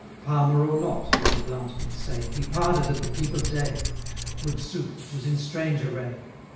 'Palmer or not,' young Blount did say, ' He parted at the peep of day; Good sooth, it was in strange array.'